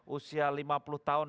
usia lima puluh tahun